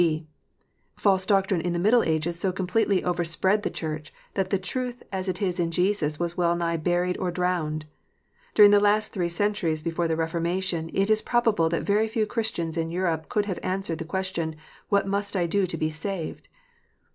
(b) False doctrine in the middle ages so completely over spread the Church, that the truth as it is in Jesus was well nigh buried or drowned. During the last three centuries before the Keformation, it is probable that very few Christians in Europe could have answered the question, "What must I do to be saved